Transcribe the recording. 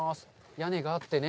屋根があってね。